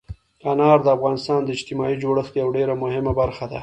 انار د افغانستان د اجتماعي جوړښت یوه ډېره مهمه برخه ده.